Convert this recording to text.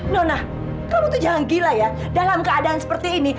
nona kamu tuh jangan gila ya dalam keadaan seperti ini